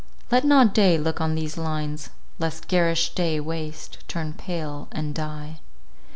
Let not day look on these lines, lest garish day waste, turn pale, and die.